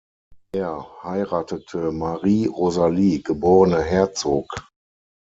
Er heiratete Marie Rosalie geborene Herzog.